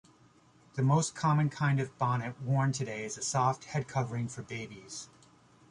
The most common kind of bonnet worn today is a soft headcovering for babies.